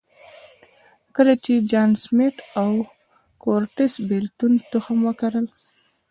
کله چې جان سمېت او کورټس بېلتون تخم وکرل.